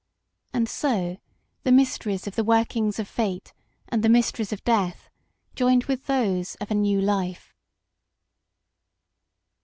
And so the mysteries of the workings of Fate and the mysteries of death joined with those of a new life.